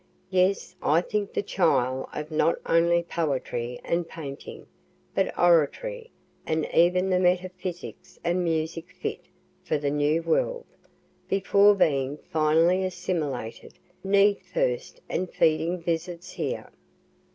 Yes, I think the chyle of not only poetry and painting, but oratory, and even the metaphysics and music fit for the New World, before being finally assimilated, need first and feeding visits here.